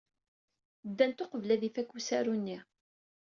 Ddant uqbel ad ifak usaru-nni.